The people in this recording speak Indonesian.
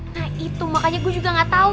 nah itu makanya gue juga gak tahu